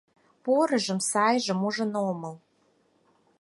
Порыжым-сайжым ужын омыл.